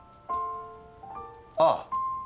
ああ。